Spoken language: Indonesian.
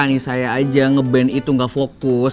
nih saya aja nge ban itu gak fokus